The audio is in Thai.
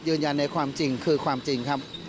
ยืนยันในความจริงคือความจริงครับ